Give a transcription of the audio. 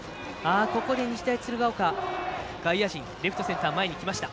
ここで日大鶴ヶ丘外野陣、レフト、センター前に来ました。